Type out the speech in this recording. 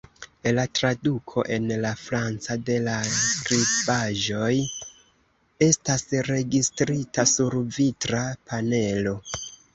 La traduko en la franca de la skribaĵoj estas registrita sur vitra panelo.